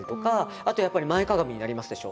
あとやっぱり前かがみになりますでしょ。